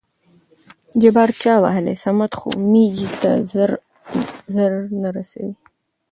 جبار: چا وهلى؟ صمد خو مېږي ته زر نه رسېده.